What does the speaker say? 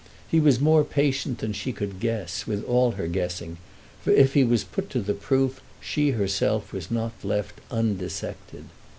He was more patient than she could guess, with all her guessing, for if he was put to the proof she herself was not left undissected.